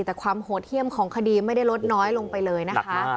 แต่ความโหดเยี่ยมของคดีไม่ได้ลดน้อยลงไปเลยนะคะ